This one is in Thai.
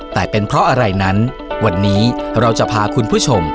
แต่เป็นเพราะอะไรนั้นวันนี้เราจะพาคุณผู้ชม